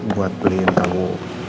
buat beliin kamu